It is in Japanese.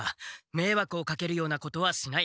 めいわくをかけるようなことはしない。